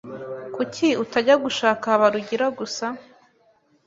Kuki utajya gushaka Habarugira gusa?